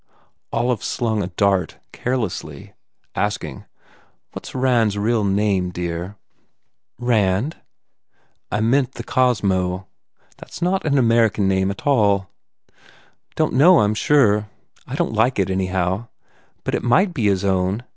Olive slung a dart carelessly, asking, "What s Rand s real name, dear?" "Rand." "I meant the Cosmo. That s not an American name at all." "Don t know, I m sure. I don t like it, any how. But it might be his own.